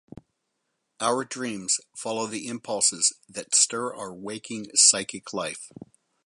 Our dreams follow the impulses that stir our waking psychic life.